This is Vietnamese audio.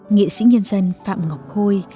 nghệ sĩ nhân dân phạm ngọc khôi